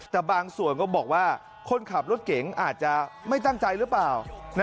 แต่บางส่วนก็บอกว่าคนขับรถเก๋งอาจจะไม่ตั้งใจหรือเปล่า